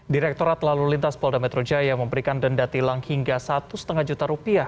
direkturat lalu lintas polda metro jaya memberikan denda tilang hingga satu lima juta rupiah